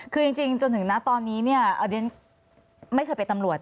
คือจริงจนถึงตอนนี้ฉันไม่เคยไปตำรวจ